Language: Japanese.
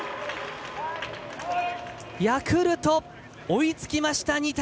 ヤクルト、追いつきました。